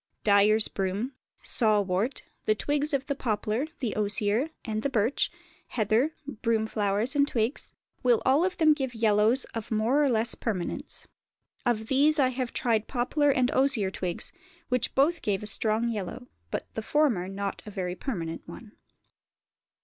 Dyers' broom, saw wort, the twigs of the poplar, the osier, and the birch, heather, broom, flowers and twigs, will all of them give yellows of more or less permanence. Of these I have tried poplar and osier twigs, which both gave a strong yellow, but the former not a very permanent one.